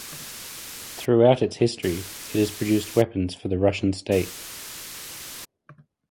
Throughout its history, it has produced weapons for the Russian state.